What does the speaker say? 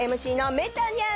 メタニャン！